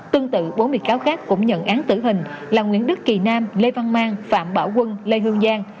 tương tự bốn bị cáo khác cũng nhận án tử hình là nguyễn đức kỳ nam lê văn mang phạm bảo quân lê hương giang